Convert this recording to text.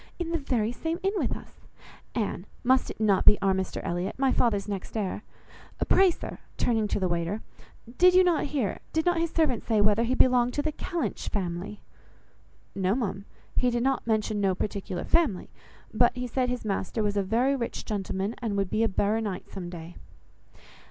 In the very same inn with us! Anne, must not it be our Mr Elliot? my father's next heir? Pray sir," turning to the waiter, "did not you hear, did not his servant say whether he belonged to the Kellynch family?" "No, ma'am, he did not mention no particular family; but he said his master was a very rich gentleman, and would be a baronight some day."